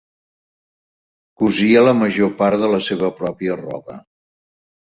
Cosia la major part de la seva pròpia roba.